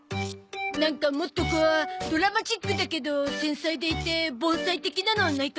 なんかもっとこうドラマチックだけど繊細でいて盆栽的なのないかな？